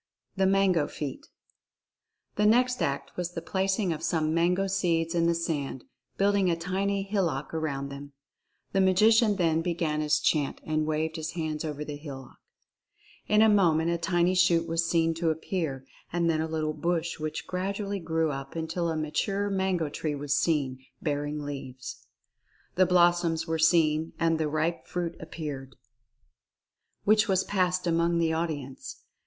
THE MANGO FEAT. The next act was the placing of some mango seeds in the sand, building a tiny hillock around them. The Magician then began his chant and waved his hands over the hillock. In a moment a tiny shoot was seen to appear, and then a little bush which gradually grew up until a mature mango tree was seen, bearing leaves. Then blossoms were seen, and the ripe fruit appeared, Oriental Fascination 159 which was passed among the audience.